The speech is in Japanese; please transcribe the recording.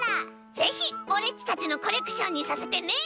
ぜひオレっちたちのコレクションにさせてね！